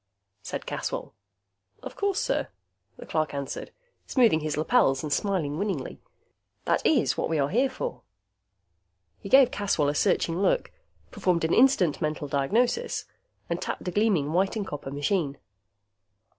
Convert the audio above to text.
said Caswell. "Of course, sir," the clerk answered, smoothing his lapels and smiling winningly. "That is what we are here for." He gave Caswell a searching look, performed an instant mental diagnosis, and tapped a gleaming white and copper machine.